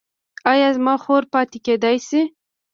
ایا زما خور پاتې کیدی شي؟